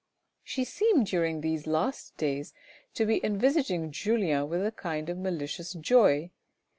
She seemed during these last days to be envisaging Julien with a kind of malicious joy.